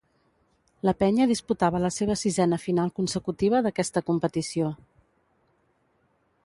La Penya disputava la seva sisena final consecutiva d'aquesta competició.